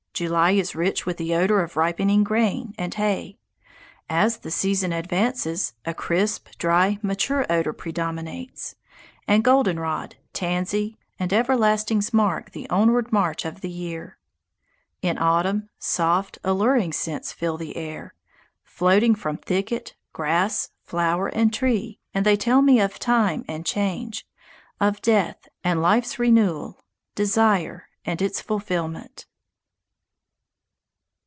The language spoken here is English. July is rich with the odour of ripening grain and hay. As the season advances, a crisp, dry, mature odour predominates, and golden rod, tansy, and everlastings mark the onward march of the year. In autumn, soft, alluring scents fill the air, floating from thicket, grass, flower, and tree, and they tell me of time and change, of death and life's renewal, desire and its fulfilment.